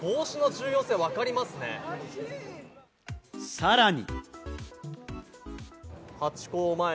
さらに。